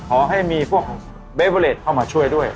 ขอให้มีพวกเบเวอเลสเข้ามาช่วยด้วย